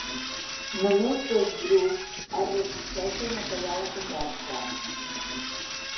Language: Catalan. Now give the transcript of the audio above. Només dos grups es resisteixen a tallar la conversa.